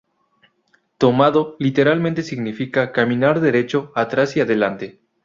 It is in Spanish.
Tomado literalmente significa ‘caminar derecho atrás y adelante’.